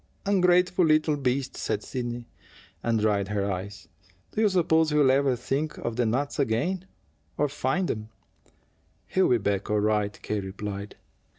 "Ungrateful little beast!" said Sidney, and dried her eyes. "Do you suppose he'll ever think of the nuts again, or find them?" "He'll be all right," K. replied.